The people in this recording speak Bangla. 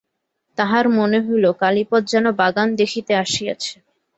তাঁহার মনে হইল কালীপদ যেন বাগান দেখিতে আসিয়াছে।